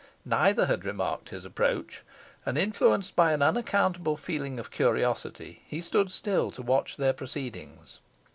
Neither had remarked his approach, and, influenced by an unaccountable feeling of curiosity, he stood still to watch their proceedings.